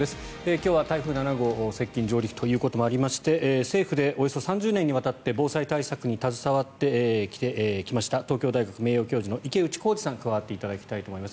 今日は台風７号接近・上陸ということもありまして政府でおよそ３０年にわたって防災対策に携わってきました東京大学名誉教授の池内幸司さんに加わっていただきたいと思います。